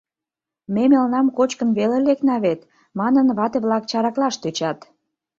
— Ме мелнам кочкын веле лекна вет, — манын, вате-влак чараклаш тӧчат.